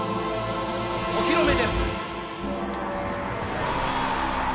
お披露目です。